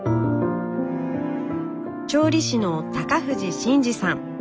調理師の高藤信二さん。